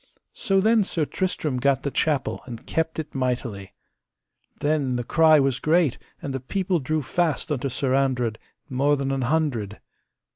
So then Sir Tristram gat the chapel and kept it mightily. Then the cry was great, and the people drew fast unto Sir Andred, mo than an hundred.